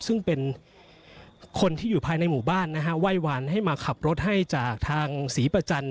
ซึ่งเป็นคนที่อยู่ภายในหมู่บ้านนะฮะไหว้วานให้มาขับรถให้จากทางศรีประจันท